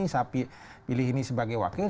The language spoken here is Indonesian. saya pilih ini sebagai wakil